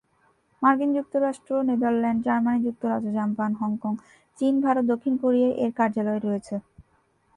মার্কিন যুক্তরাষ্ট্র, Netherland, Germany, যুক্তরাজ্য, জাপান, হংকং, চীন, ভারত, দক্ষিণ কোরিয়ায় এর কার্যালয় রয়েছে।